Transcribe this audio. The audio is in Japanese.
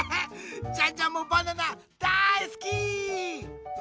ジャンジャンもバナナだいすき！